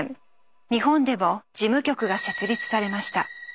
日本でも事務局が設立されました。